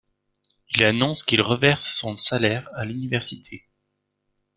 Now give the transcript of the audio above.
Il annonce qu'il reverse son salaire à l'université.